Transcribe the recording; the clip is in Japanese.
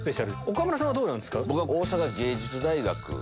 岡村さんはどうなんですか？